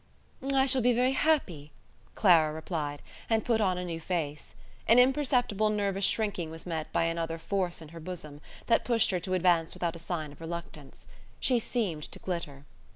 "I shall be very happy," Clara replied, and put on a new face. An imperceptible nervous shrinking was met by another force in her bosom, that pushed her to advance without a sign of reluctance. She seemed to glitter.